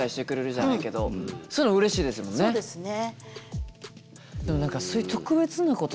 そうですね。